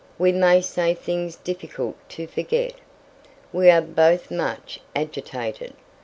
We may say things difficult to forget. We are both much agitated.